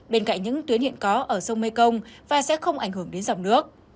bên cạnh những tuyến hiện có ở sông mekong và sẽ không ảnh hưởng đến dòng nước